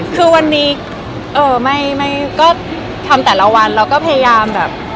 คือวันนี้ไม่ก็ทำแต่ละวันเราก็พยายามแบบ